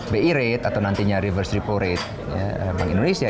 bi rate atau nantinya reverse repo rate bank indonesia